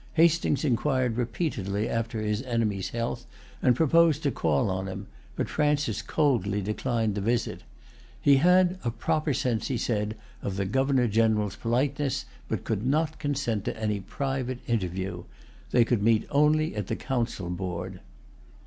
Hastings inquired repeatedly after his enemy's health, and proposed to call on him; but Francis coldly declined the visit. He had a proper sense, he said, of the Governor General's[Pg 175] politeness, but could not consent to any private interview. They could meet only at the council board.